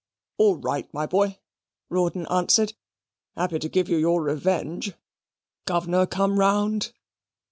"All right, my boy," Rawdon answered. "Happy to give you your revenge. Governor come round?"